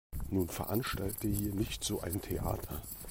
Nun veranstalte hier nicht so ein Theater.